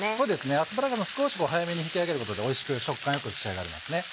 アスパラガスも少し早めに引き上げることでおいしく食感よく仕上がりますね。